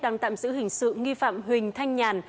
đang tạm giữ hình sự nghi phạm huỳnh thanh nhàn